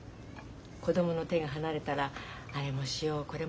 子供の手が離れたらあれもしようこれもしようって。